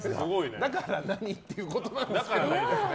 だから何っていうことなんですけど。